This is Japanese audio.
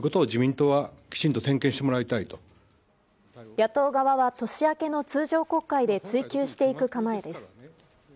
野党側は年明けの通常国会で追及していく構えです。